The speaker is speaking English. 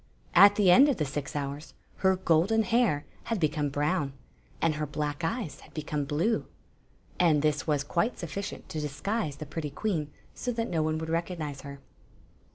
At the end of the six hours her golden hair had become brown and her Uack eyes had become The Story of the Magic Cloak 151 blue; and this was quite suffident to disguise the pretty queen so that no one would recognize her.